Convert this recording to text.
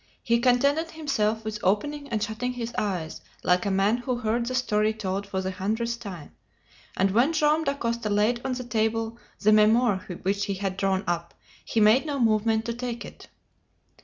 He contented himself with opening and shutting his eyes like a man who heard the story told for the hundredth time; and when Joam Dacosta laid on the table the memoir which he had drawn up, he made no movement to take it.